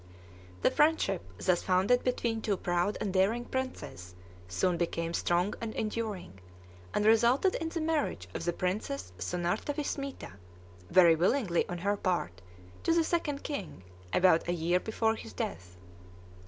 The friendship thus founded between two proud and daring princes soon became strong and enduring, and resulted in the marriage of the Princess Sunartha Vismita (very willingly on her part) to the Second King, about a year before his death.